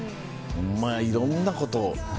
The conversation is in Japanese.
まぁいろんなこと。